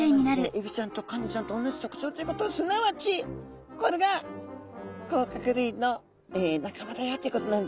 エビちゃんとカニちゃんとおんなじ特徴ということはすなわちこれが甲殻類の仲間だよってことなんですね。